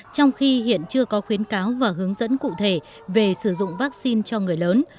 trong khi hiện chưa có khuyến cáo và hướng dẫn cụ thể về sử dụng vaccine cho người lớn